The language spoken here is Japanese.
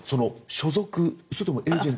所属、それともエージェント？